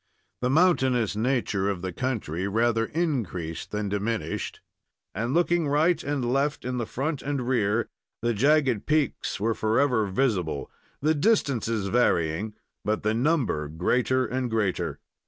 The mountainous nature of the country rather increased than diminished, and, looking right and left, in front and rear, the jagged peaks were forever visible, the distances varying, but the number greater and greater.